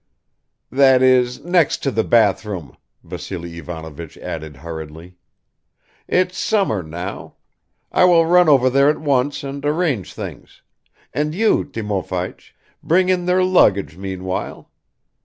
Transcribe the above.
"That is next to the bathroom," Vassily Ivanovich added hurriedly. "It's summer now ... I will run over there at once and arrange things; and you, Timofeich, bring in their luggage meanwhile.